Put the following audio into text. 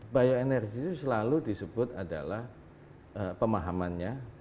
bio energy itu selalu disebut adalah pemahamannya